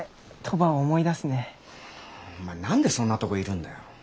お前何でそんなとこいるんだよ。